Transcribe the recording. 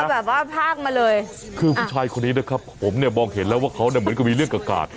แบบว่าพากมาเลยคือผู้ชายคนนี้นะครับผมเนี่ยมองเห็นแล้วว่าเขาเนี่ยเหมือนกับมีเรื่องกับกาด